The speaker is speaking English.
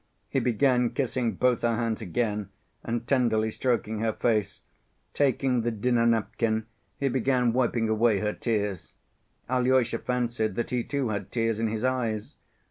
He began kissing both her hands again and tenderly stroking her face; taking the dinner‐napkin, he began wiping away her tears. Alyosha fancied that he too had tears in his eyes.